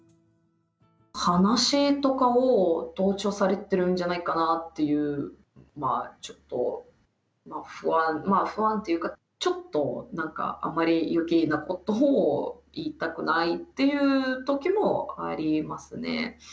話とかを盗聴されてるんじゃないかなっていう、ちょっと不安、まあ不安っていうか、ちょっとなんか、あんまりよけいなことを言いたくないっていうときもありますね。